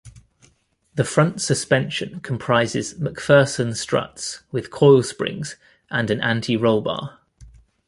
The front suspension comprises MacPherson struts, with coil springs and an anti-roll bar.